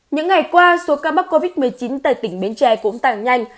những ngày qua số ca mắc covid một mươi chín tại tỉnh bến tre cũng tăng nhanh